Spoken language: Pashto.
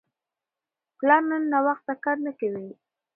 پلار نن ناوخته کار نه کوي.